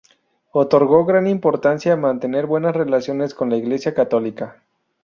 Otorgó gran importancia a mantener buenas relaciones con la iglesia católica.